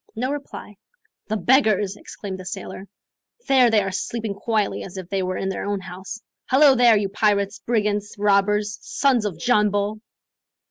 No reply. "The beggars," exclaimed the sailor. "There they are sleeping quietly as if they were in their own house. Hallo there, you pirates, brigands, robbers, sons of John Bull!"